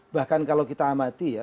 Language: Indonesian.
bahkan kalau kita amati ya